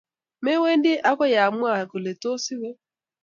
Me wendi akoi amwa kole tos iwe